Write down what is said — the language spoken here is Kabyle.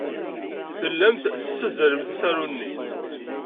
Tellamt tessazzalemt asaru-nni.